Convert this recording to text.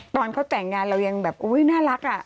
ตอนเขาแต่งงานเรายังแบบอุ๊ยน่ารักอะ